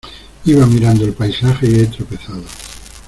Iba mirando el paisaje y he tropezado.